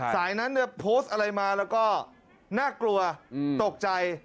สายนั้นเนี่ยโพสต์อะไรมาแล้วก็น่ากลัวตกใจ